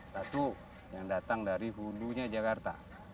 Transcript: satu yang datang dari hulunya jakarta